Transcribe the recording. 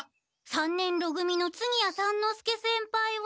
三年ろ組の次屋三之助先輩は。